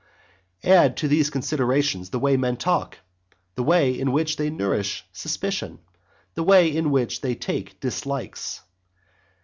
X. Add to these considerations the way men talk, the way in which they nourish suspicion, the way in which they take dislikes.